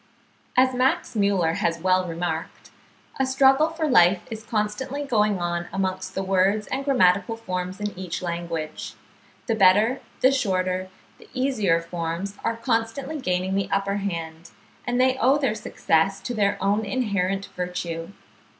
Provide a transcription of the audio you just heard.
As Max Muller (69. 'Nature,' January 6th, 1870, p. 257.) has well remarked:—"A struggle for life is constantly going on amongst the words and grammatical forms in each language. The better, the shorter, the easier forms are constantly gaining the upper hand, and they owe their success to their own inherent virtue."